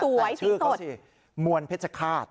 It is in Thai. แต่ชื่อเขาคือมวนเพชฌฆาต